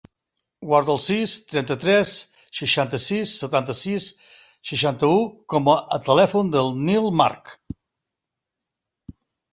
Guarda el sis, trenta-tres, seixanta-sis, setanta-sis, seixanta-u com a telèfon del Nil March.